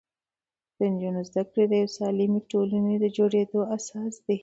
د نجونو زده کړې د یوې سالمې ټولنې د جوړېدو اساس دی.